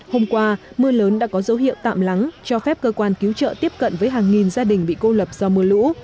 hôm qua mưa lớn đã có dấu hiệu tạm lắng cho phép cơ quan cứu trợ tiếp cận với hàng nghìn gia đình bị cô lập do mưa lũ